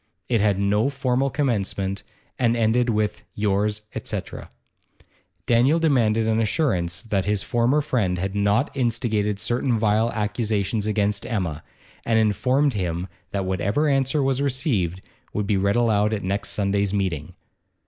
It had no formal commencement, and ended with 'Yours, etc.' Daniel demanded an assurance that his former friend had not instigated certain vile accusations against Emma, and informed him that whatever answer was received would be read aloud at next Sunday's meeting.